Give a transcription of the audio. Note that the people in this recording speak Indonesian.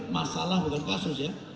masalah bukan kasus ya